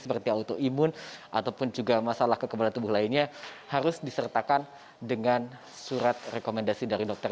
seperti autoimun ataupun juga masalah kekebalan tubuh lainnya harus disertakan dengan surat rekomendasi dari dokter